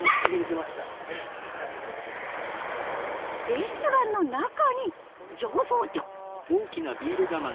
レストランの中に醸造所。